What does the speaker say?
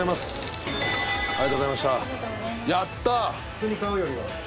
普通に買うよりは？